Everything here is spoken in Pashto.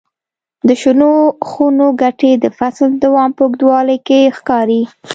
د شنو خونو ګټې د فصل د دوام په اوږدوالي کې ښکاري.